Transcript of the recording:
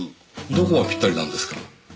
どこがぴったりなんですか？